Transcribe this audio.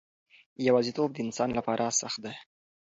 یوازیتوب د انسان لپاره سخت دی.